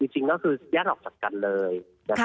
จริงก็คือแยกออกจากกันเลย